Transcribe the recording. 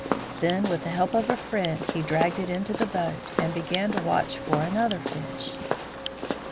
Then with the help of a friend he dragged it into the boat, and began to watch for another fish.